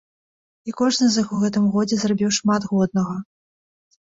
І кожны з іх у гэтым годзе зрабіў шмат годнага.